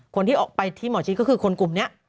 คนที่ออกไปที่หมอชิดก็คือคนกลุ่มนี้